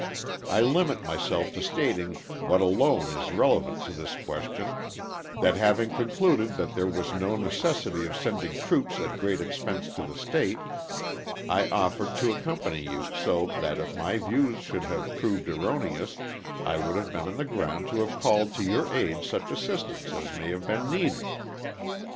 I limit myself to stating what alone is relevant to this question, that having concluded that there was no necessity of sending troops at great expense to the State, I offered to accompany you so that, if my views should have proved erroneous, I would have been on the ground to have called to your aid such assistance as may have been needed.